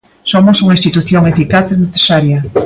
Somos unha institución eficaz e necesaria.